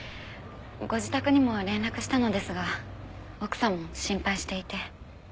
ご自宅にも連絡したのですが奥様も心配していて。